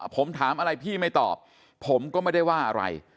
ผมถามอะไรพี่ไม่ตอบผมก็ไม่ได้ว่าอะไร